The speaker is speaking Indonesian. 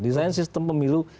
desain sistem pemilu